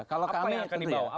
apa yang akan dibawa